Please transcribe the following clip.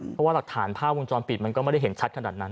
เพราะว่าหลักฐานภาพวงจรปิดมันก็ไม่ได้เห็นชัดขนาดนั้น